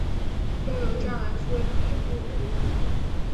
设有栅栏式月台幕门。